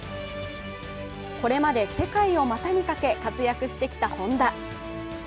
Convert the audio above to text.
これまで世界を股にかけ、活躍してきた本田。